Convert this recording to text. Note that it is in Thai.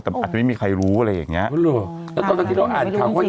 แต่อาจารย์ไม่มีใครรู้อะไรอย่างเงี้ยหรือเราอ่านของ